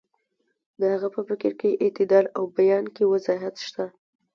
د هغه په فکر کې اعتدال او په بیان کې وضاحت شته.